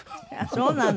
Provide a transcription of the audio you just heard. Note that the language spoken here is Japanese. そうなの？